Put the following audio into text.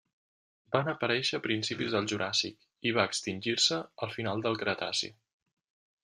Van aparèixer a principis del Juràssic i va extingir-se al final del Cretaci.